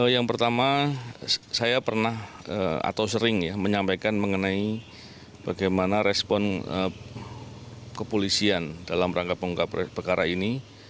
yang pertama saya pernah atau sering ya menyampaikan mengenai bagaimana respon kepolisian dalam rangka pengungkapan perkara ini